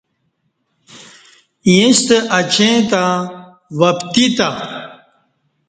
ییݩستہ اچیں تہ وپتی تہ